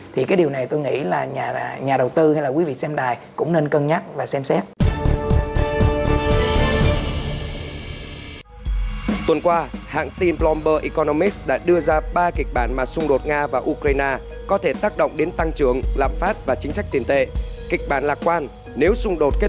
thì cái điều này tôi nghĩ là nhà đầu tư hay là quý vị xem đài cũng nên cân nhắc và xem xét